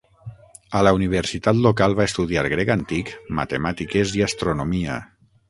A la universitat local va estudiar grec antic, matemàtiques i astronomia.